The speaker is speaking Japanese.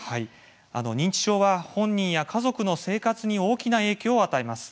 認知症は本人や家族の生活に大きな影響を与えます。